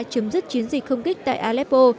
chấm dứt chiến dịch không kích tại aleppo